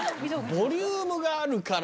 ボリュームがあるから。